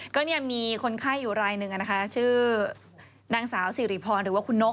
ก็เนี่ยมีคนไข้อยู่รายหนึ่งนะคะชื่อนางสาวสิริพรหรือว่าคุณนก